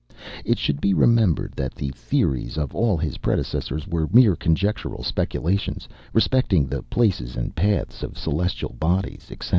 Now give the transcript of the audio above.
It should be remembered that the theories of all his predecessors were mere conjectural speculations respecting the places and paths of celestial bodies, etc.